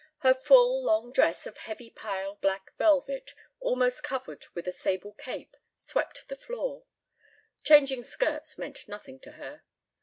Her full long dress of heavy pile black velvet, almost covered with a sable cape, swept the floor; changing skirts meant nothing to her.